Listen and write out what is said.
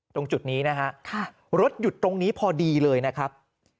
ตรงจุดนี้นะฮะรถหยุดตรงนี้พอดีเลยนะครับ